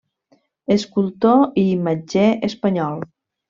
Escultor i imatger espanyol.